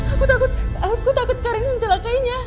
aku takut aku takut karin mencelakainya